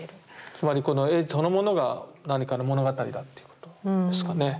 つまり絵そのものが何かの物語だっていうことですかね。